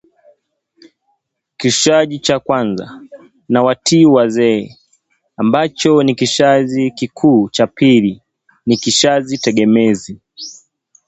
kishazi cha kwanza, nawatii wazeee, ambacho ni kishazi kikuu na cha pili ni kishazi tegemezi